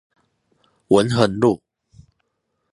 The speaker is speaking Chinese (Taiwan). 文橫路